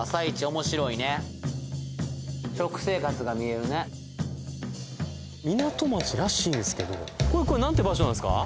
面白いね食生活が見えるね港町らしいんですけどこれなんて場所なんですか？